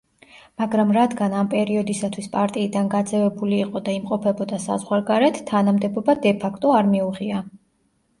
მაგრამ რადგან ამ პერიოდისათვის პარტიიდან გაძევებული იყო და იმყოფებოდა საზღვარგარეთ, თანამდებობა დე-ფაქტო არ მიუღია.